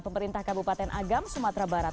pemerintah kabupaten agam sumatera barat